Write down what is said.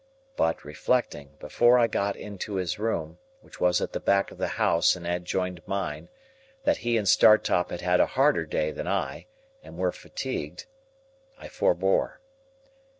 But reflecting, before I got into his room, which was at the back of the house and adjoined mine, that he and Startop had had a harder day than I, and were fatigued, I forbore.